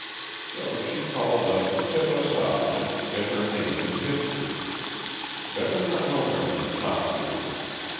So she called up to tip us off and get her name in history. Better run over and talk to her.